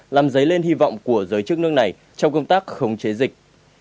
làm giấy lên hy vọng của giới chức nước này trong công tác không chế dịch